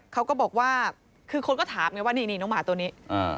เขาก็บอกว่าคือคนก็ถามไงว่านี่นี่น้องหมาตัวนี้